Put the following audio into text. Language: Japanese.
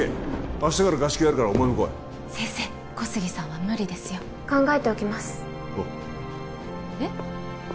明日から合宿やるからお前も来い先生小杉さんは無理ですよ考えておきますおうえっ？